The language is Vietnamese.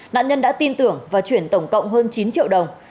nạn nhân đã tin tưởng và chuyển tổng cộng hơn chín triệu đồng